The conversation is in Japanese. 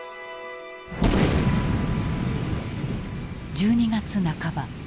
１２月半ば。